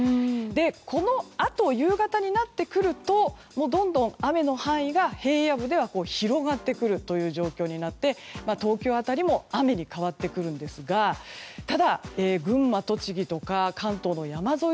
このあと、夕方になってくるとどんどん雨の範囲が平野部では広がってくる状況になって東京辺りも雨に変わってくるんですがただ、群馬や栃木関東の山沿い